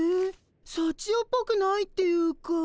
さちよっぽくないっていうか。